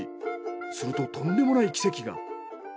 するととんでもない奇跡が。